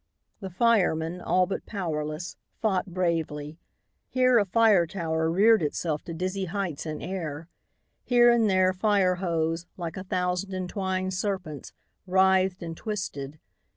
The firemen, all but powerless, fought bravely. Here a fire tower reared itself to dizzy heights in air. Here and there fire hose, like a thousand entwined serpents, writhed and twisted.